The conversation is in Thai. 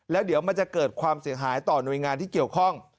แล้วเดี๋ยวมันจะเกิดความเสียหายต่อหน่วยงานที่เกี่ยวข้อง